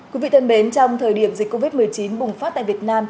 quý vị thân mến trong thời điểm dịch covid một mươi chín bùng phát tại việt nam